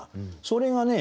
それがね